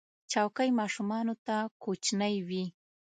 چوکۍ ماشومانو ته کوچنۍ وي.